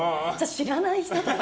知らない人とか。